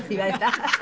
ハハハハ。